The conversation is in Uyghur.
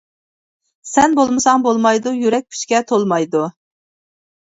سەن بولمىساڭ بولمايدۇ يۈرەك كۈچكە تولمايدۇ.